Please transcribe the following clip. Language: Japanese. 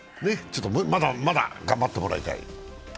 まだ頑張ってもらいたい。